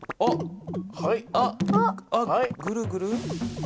あっグルグル。